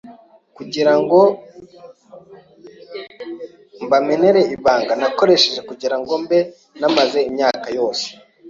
kugirango mbamenere ibanga nakoresheje kugirango mbe maze iyi myaka yose